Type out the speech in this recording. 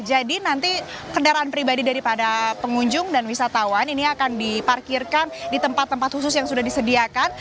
jadi nanti kendaraan pribadi daripada pengunjung dan wisatawan ini akan diparkirkan di tempat tempat khusus yang sudah disediakan